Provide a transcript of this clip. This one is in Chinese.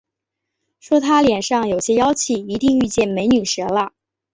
说他脸上有些妖气，一定遇见“美女蛇”了